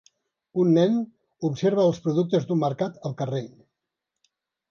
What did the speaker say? Un nen observa els productes d'un mercat al carrer.